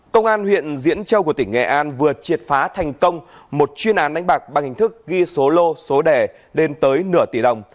công an huyện diễn châu của tỉnh nghệ an vừa triệt phá thành công một chuyên án đánh bạc bằng hình thức ghi số lô số đẻ lên tới nửa tỷ đồng